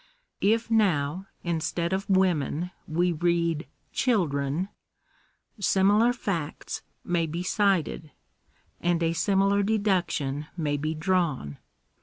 If now, instead of women we read children, similar facts may be cited, and a similar deduction may be drawn.